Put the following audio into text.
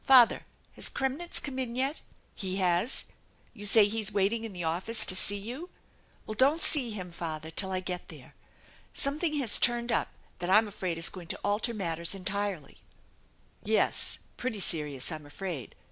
Father, has Kremnitz come in yet? He has ? You say he's waiting in the office to see you ? Well, don't see him, father, till I get there. Something has turned 188 THE ENCHANTED BARN up that I'm afraid is going to alter matters entirely. pretty serious, I'm afraid.